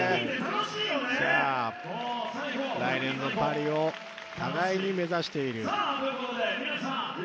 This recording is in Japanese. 来年のパリを互いに目指している。